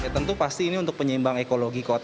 tentu pasti ini untuk penyeimbang ekologi